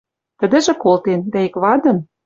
Тӹдӹжӹ колтен. Дӓ ик вадӹн